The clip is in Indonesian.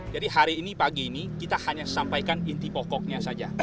jadi hari ini pagi ini kita hanya sampaikan inti pokoknya saja